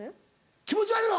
気持ち悪いわ！